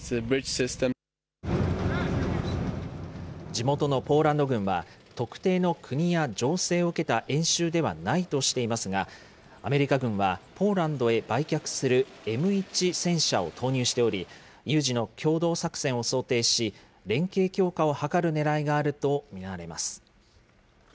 地元のポーランド軍は、特定の国や情勢を受けた演習ではないとしていますが、アメリカ軍は、ポーランドへ売却するＭ１戦車を投入しており、有事の共同作戦を想定し、連携強化を図るねらいがあると見られます。